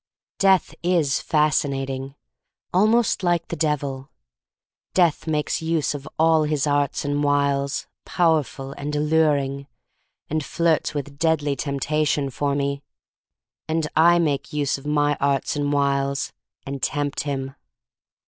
Death is fascinating — almost like the Devil. Death makes use of all his arts and wiles, powerful and alluring, and flirts with deadly temptation for me. And I make use of my arts and wiles — and tempt him.